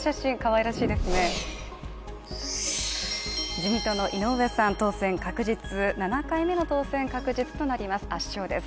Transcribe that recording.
自民党の井上さん当選確実、７回目の当選確実となります。